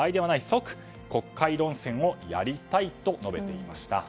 即国会論戦をやりたいと述べていました。